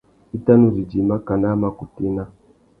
I tà nu zu djï makana a mà kutu ena.